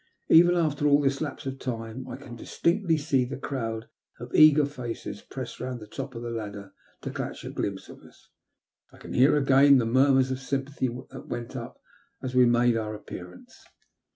Even after all this lapse of time I can distinctly see the crowd of eager faces pressed round the top of the ladder to catch a glimpse of us, and I can hear again the murmurs of sympathy that went up as we made our appearance.